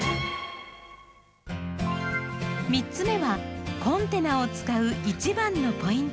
３つ目はコンテナを使う一番のポイント